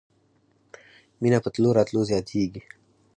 مينه په تلو راتلو زياتېږي.